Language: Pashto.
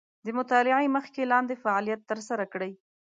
د مطالعې مخکې لاندې فعالیت تر سره کړئ.